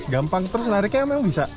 gampang terus nariknya emang bisa